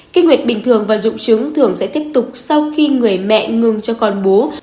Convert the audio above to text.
kinh nguyệt bình thường và dụng trứng thường sẽ tiếp tục sau khi người mẹ ngừng cho con bú